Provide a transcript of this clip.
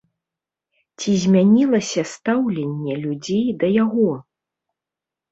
Ці змянілася стаўленне людзей да яго?